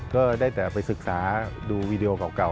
ก็ได้แต่ไปศึกษาดูวีดีโอเก่า